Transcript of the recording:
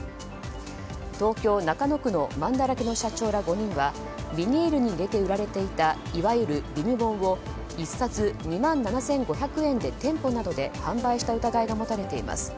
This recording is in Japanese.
東京・中野区のまんだらけの社長ら５人はビニールに入れて売られていたいわゆるビニ本を１冊２万７５００円で店舗などで販売した疑いが持たれています。